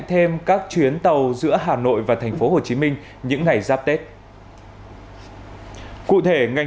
thêm các chuyến tàu giữa hà nội và thành phố hồ chí minh những ngày giáp tết cụ thể ngành